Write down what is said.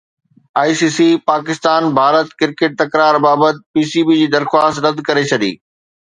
I C C پاڪستان-ڀارت cricket تڪرار بابت P سي بي جي درخواست رد ڪري ڇڏي